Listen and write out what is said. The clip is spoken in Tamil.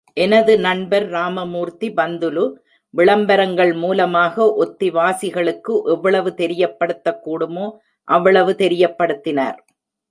எனது நண்பர் ராமமூர்த்தி பந்துலு, விளம்பரங்கள் மூலமாக ஒத்தி வாசிகளுக்கு எவ்வளவு தெரியப்படுத்தக்கூடுமோ அவ்வளவு தெரியப்படுத்தினார்.